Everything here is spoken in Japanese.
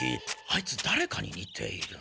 あいつだれかににている。